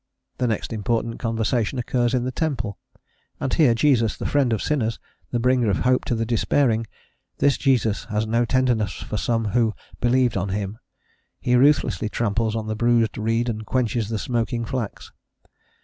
The next important conversation occurs in the temple, and here Jesus, the friend of sinners, the bringer of hope to the despairing this Jesus has no tenderness for some who "believed on him;" he ruthlessly tramples on the bruised reed and quenches the smoking flax.